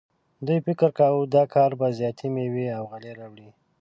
دوی فکر کاوه دا کار به زیاتې میوې او غلې راوړي.